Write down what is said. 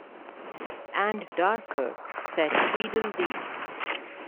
‘And darker,’ said Tweedledee.